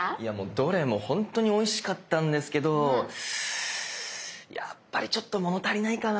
どれも本当においしかったんですけどやっぱりちょっと物足りないかな。